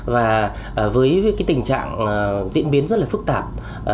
và với cái tình trạng diễn biến rất là phức tạp